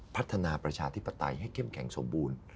ประชาธิปไตยให้เข้มแข็งสมบูรณ์